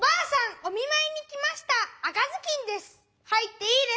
おみまいにきました赤ずきんです。